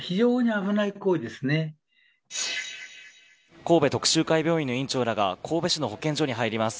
神戸徳洲会病院の医院長らが神戸市の病院に入ります